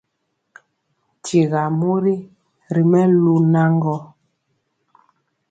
Tyira mori ri melu naŋgɔ,